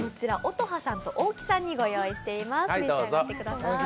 乙葉さんと大木さんにご用意しています。